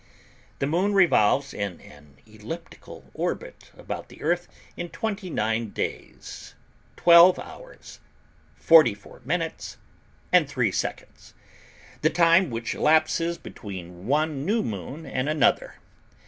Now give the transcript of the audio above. The Moon revolves in an elliptical orbit about the Earth in twenty nine days twelve hours forty four minutes and three seconds, the time which elapses between one new Moon and another.